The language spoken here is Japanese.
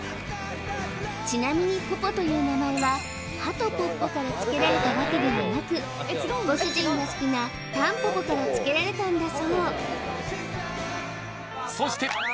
ちなみにポポという名前は「鳩ポッポ」から付けられたわけではなくご主人が好きな「タンポポ」から付けられたんだそう